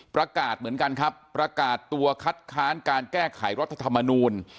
ประกาศเหมือนกันครับประกาศตัวคัดค้านการแก้ไขรัฐธรรมนูล